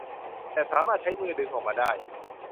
แต่สามารถใช้มือดึงออกมาได้